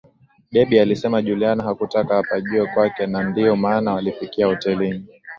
Debby alisema Juliana hakutaka apajue kwake na ndio maana walifikia hotelini